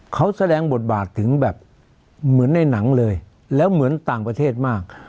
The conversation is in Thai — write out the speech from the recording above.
เขาแสดงบทบาทถึงแบบเหมือนในหนังเลยแล้วเหมือนต่างประเทศมาก